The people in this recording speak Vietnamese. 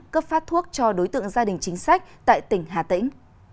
cấp phát thuốc cho đối tượng gia đình chính sách tại tỉnh hà tĩnh